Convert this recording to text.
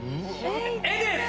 絵です！